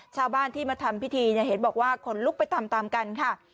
ชาวบ้านที่มาทำพิธีเนี่ยเห็นบอกว่าขนลุกไปตามตามกันค่ะ